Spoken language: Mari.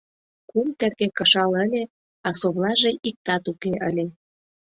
Кум терке кышал ыле, а совлаже иктат уке ыле.